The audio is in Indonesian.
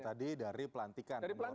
itu tadi dari pelantikan